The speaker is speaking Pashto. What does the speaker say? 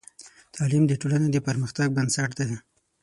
تعلیم د ټولنې د پرمختګ بنسټ دی.